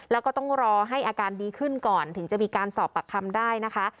แล้วก็ต้องรอให้อาการดีขึ้นก่อนถึงจะมีการสอบปากคำได้นะคะ